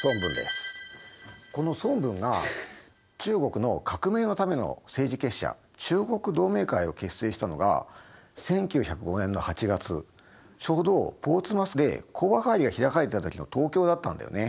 この孫文が中国の革命のための政治結社中国同盟会を結成したのが１９０５年の８月ちょうどポーツマスで講和会議が開かれていた時の東京だったんだよね。